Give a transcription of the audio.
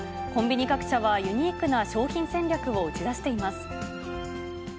コンビニ各社はユニークな商品戦略を打ち出しています。